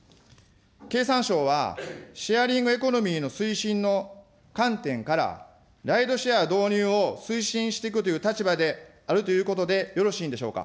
経産省は、シェアリングエコノミーの推進の観点から、ライドシェア導入を推進していくという立場であるということでよ